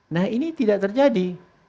nah ini tidak terjadi